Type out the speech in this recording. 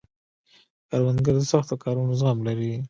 کروندګر د سختو کارونو زغم لري